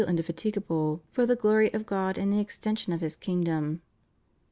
indefatigable for the glory of God and the extension of His kingdom.